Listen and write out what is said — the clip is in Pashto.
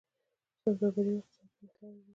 سوداګري او اقتصاد پرمختللی و